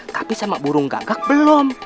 tapi sama burung gagak belum